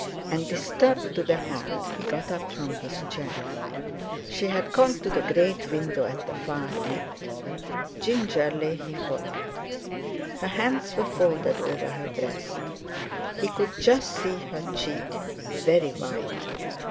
And disturbed to the heart, he got up from his chair. She had gone to the great window at the far end. Gingerly he followed. Her hands were folded over her breast; he could just see her cheek, very white.